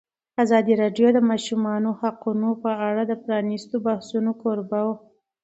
ازادي راډیو د د ماشومانو حقونه په اړه د پرانیستو بحثونو کوربه وه.